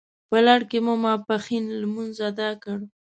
په لړ کې مو ماپښین لمونځ اداء کړ.